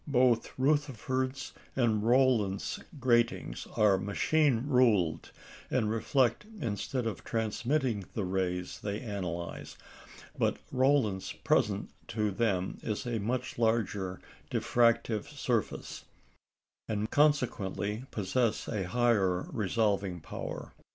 Both Rutherfurd's and Rowland's gratings are machine ruled, and reflect instead of transmitting the rays they analyse; but Rowland's present to them a very much larger diffractive surface, and consequently possess a higher resolving power.